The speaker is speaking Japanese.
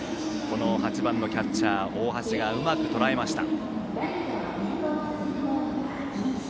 ８番のキャッチャー大橋がうまくとらえました。